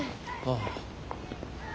ああ。